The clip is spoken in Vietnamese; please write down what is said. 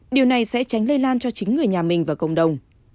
điều này sẽ tránh lây lan cho chính người nhà mình và cộng đồng